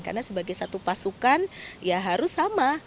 karena sebagai satu pasukan ya harus sama